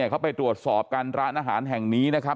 เขาไปตรวจสอบกันร้านอาหารแห่งนี้นะครับ